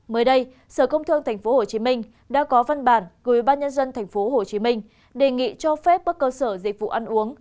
mới đây sở công thương tp hcm đã có văn bản gửi ban nhân dân tp hcm đề nghị cho phép các cơ sở dịch vụ ăn uống